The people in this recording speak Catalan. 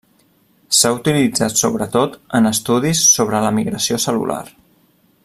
S'ha utilitzat sobretot en estudis sobre la migració cel·lular.